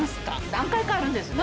何回かあるんですね。